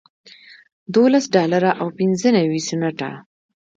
دولس ډالره او پنځه نوي سنټه